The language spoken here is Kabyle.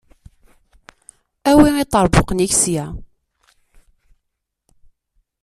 Awi iṭerbuqen-ik sya.